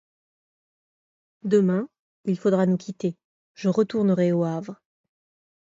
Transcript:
Demain, il faudra nous quitter, je retournerai au Havre.